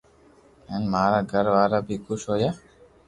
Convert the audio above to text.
ھين مارا گھر وارا بي خوݾ ھويا